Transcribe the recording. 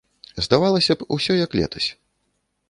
Здавалася б, усё як летась.